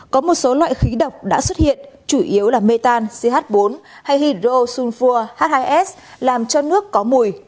có một số loại khí độc đã xuất hiện chủ yếu là mê tan ch bốn hay hydrosulfur h hai s làm cho nước có mùi